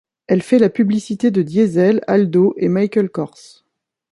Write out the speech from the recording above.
Elle fait la publicité de Diesel, Aldo et Michael Kors.